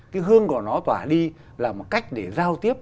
cái hương của nó tỏa đi là một cách để giao tiếp